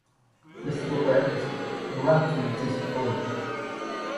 The skeletal structure is sturdy.